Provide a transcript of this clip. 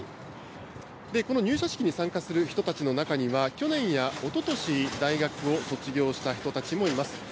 この入社式に参加する人たちの中には、去年やおととし、大学を卒業した人たちもいます。